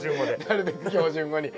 なるべく標準語に。